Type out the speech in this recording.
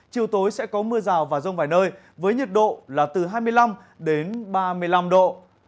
chiều tối sẽ có mưa rào và rông vài nơi với nhiệt độ là từ hai mươi năm đến ba mươi năm độ